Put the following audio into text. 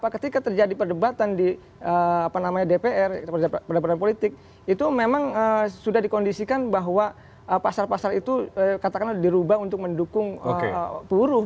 ketika terjadi perdebatan di dpr perdebatan politik itu memang sudah dikondisikan bahwa pasar pasar itu dirubah untuk mendukung buruh